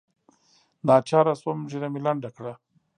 ناچاره سوم ږيره مې لنډه کړه.